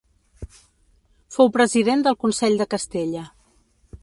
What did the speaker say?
Fou president del Consell de Castella.